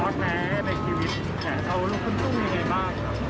อยากจะเอาลูกขึ้นสู้อย่างไรบ้าง